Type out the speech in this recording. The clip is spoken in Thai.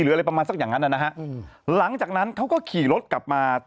อะไรประมาณสักอย่างนั้นนะฮะอืมหลังจากนั้นเขาก็ขี่รถกลับมา